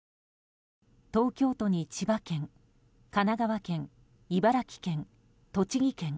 東京都に千葉県神奈川県、茨城県、栃木県